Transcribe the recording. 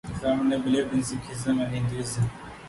The family believed in Sikhism and Hinduism.